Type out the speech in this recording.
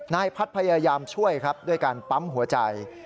นายพัฒน์พยายามช่วยครับด้วยการปั๊มหัวใจ